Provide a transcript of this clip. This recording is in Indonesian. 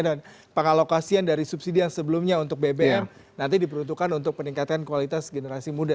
dan pengalokasian dari subsidi yang sebelumnya untuk bbm nanti diperuntukkan untuk peningkatan kualitas generasi muda